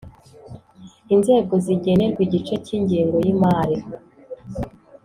inzego zigenerwa igice cy’ingengo y’imari